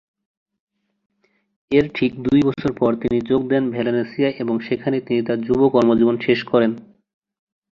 এর ঠিক দুই বছর পর তিনি যোগ দেন ভালেনসিয়ায় এবং সেখানে তিনি তার যুব কর্মজীবন শেষ করেন।